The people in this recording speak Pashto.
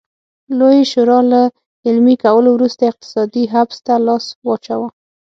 لویې شورا له عملي کولو وروسته اقتصادي حبس ته لاس واچاوه.